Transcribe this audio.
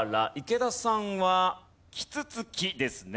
池田さんはキツツキですね。